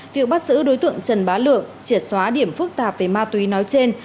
việc bắt giữ đối tượng trần bá lượng triệt xóa điểm phức tạp về ma túy nói trên